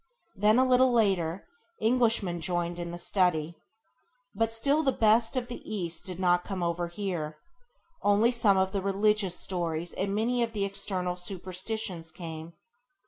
Then, a little later, Englishmen joined in the study. But still the best of the East did not come over here: only some of the religious stories and many of the external superstitions came.